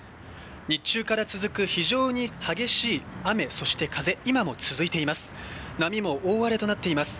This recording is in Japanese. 日中から続く非常に激しい雨そして風、今も続いています。